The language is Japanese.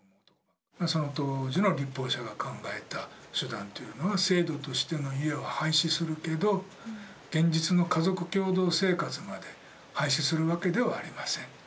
その当時の立法者が考えた手段というのが制度としての「家」は廃止するけど現実の家族共同生活まで廃止するわけではありません。